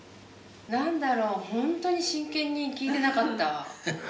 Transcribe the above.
なんだろう本当に真剣に聞いてなかった。